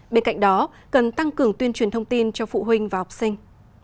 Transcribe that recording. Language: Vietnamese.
bên cạnh đó cần tăng cường tuyên truyền thông tin cho phụ huynh và học sinh